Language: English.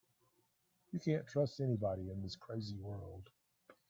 You can't trust anybody in this crazy world.